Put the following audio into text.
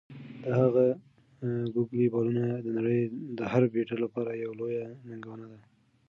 د هغه "ګوګلي" بالونه د نړۍ د هر بیټر لپاره یوه لویه ننګونه ده.